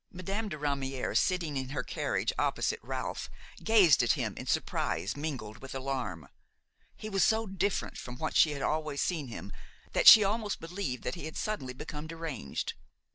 Madame de Ramière, sitting in her carriage opposite Ralph, gazed at him in surprise mingled with alarm. He was so different from what she had always seen him that she almost believed that he had suddenly become deranged.